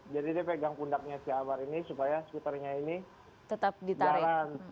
jadi dia pegang pundaknya si amar ini supaya skuternya ini jalan